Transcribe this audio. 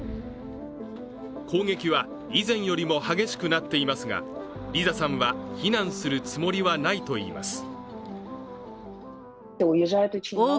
攻撃は以前よりも激しくなっていますがリザさんは、避難するつもりはないといいます。